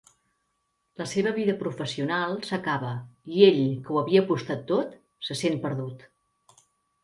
La seva vida professional s'acaba i ell que ho havia apostat tot se sent perdut.